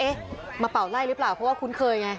เอ๊ะมาเป่าไล่รึเปล่าเพราะว่าคุณเคยไง